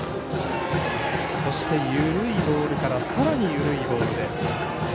そして緩いボールからさらに緩いボールへ。